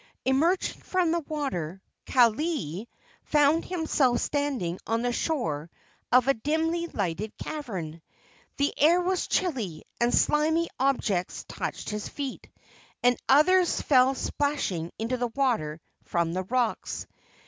Emerging from the water, Kaaialii found himself standing on the shore of a dimly lighted cavern. The air was chilly, and slimy objects touched his feet, and others fell splashing into the water from the rocks.